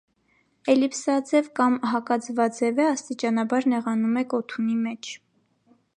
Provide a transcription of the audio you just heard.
Էլիպսաձև կամ հակաձվաձև է, աստիճանաբար նեղանում է կոթունի մեջ։